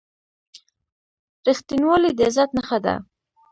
• رښتینولي د عزت نښه ده.